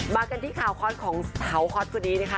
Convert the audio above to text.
มากันที่ข่าวคลอดของเท้าคลอดสุดนี้นะคะ